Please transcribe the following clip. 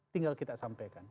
tinggal kita sampaikan